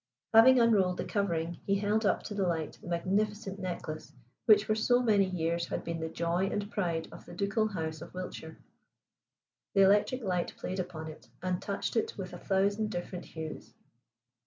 Having unrolled the covering, he held up to the light the magnificent necklace which for so many years had been the joy and pride of the ducal house of Wiltshire. The electric light played upon it, and touched it with a thousand different hues.